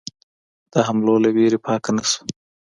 د حملو له وېرې پاکه نه شوه.